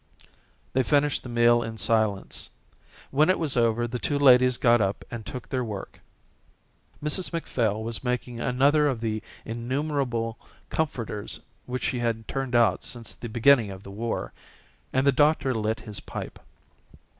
They finished the meal in silence. When it was over the two ladies got up and took their work, Mrs Macphail was making another of the innumerable comforters which she had turned out since the beginning of the war, and the doctor lit his pipe.